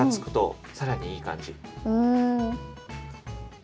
うん。